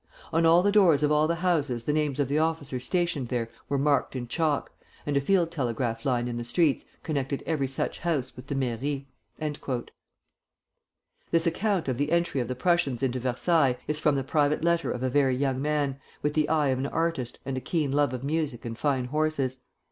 On all the doors of all the houses the names of the officers stationed there were marked in chalk, and a field telegraph line in the streets connected every such house with the mairie." This account of the entry of the Prussians into Versailles is from the private letter of a very young man, with the eye of an artist and a keen love of music and fine horses.